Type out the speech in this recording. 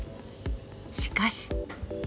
しかし。